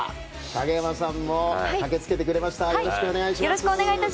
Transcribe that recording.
影山さんも駆けつけてくれました。